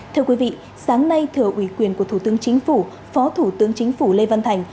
thưa quý vị sáng nay thừa ủy quyền của thủ tướng chính phủ phó thủ tướng chính phủ lê văn thành